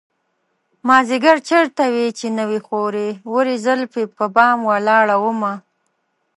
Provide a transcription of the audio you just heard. مازديگر چېرته وې چې نه وې خورې ورې زلفې په بام ولاړه ومه